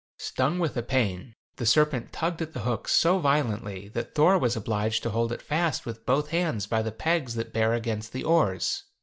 Stung with the pain, the serpent tugged at the hook so violently, that Thor was obliged to hold fast with both hands by the pegs that bear against the oars.